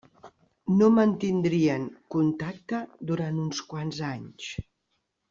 No mantindrien contacte durant uns quants anys.